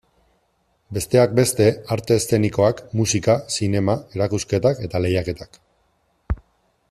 Besteak beste, arte eszenikoak, musika, zinema, erakusketak eta lehiaketak.